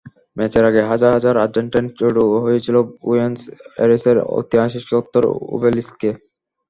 ম্যাচের আগেই হাজার হাজার আর্জেন্টাইন জড়ো হয়েছিলেন বুয়েনস এইরেসের ঐতিহাসিক চত্বর ওবেলিস্কে।